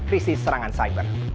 krisis serangan cyber